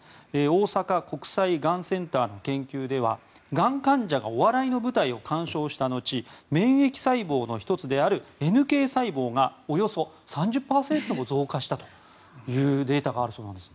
大阪国際がんセンターの研究ではがん患者がお笑いの舞台を鑑賞したのち免疫細胞の１つであるＮＫ細胞がおよそ３０％増加したというデータがあるそうです。